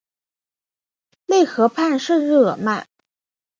勒农河畔圣日耳曼。